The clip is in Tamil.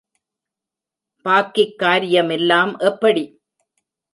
பாக்கிக் காரியமெல்லாம் எப்படி?